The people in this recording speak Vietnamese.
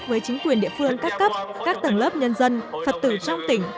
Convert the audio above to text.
với chính quyền địa phương các cấp các tầng lớp nhân dân phật tử trong tỉnh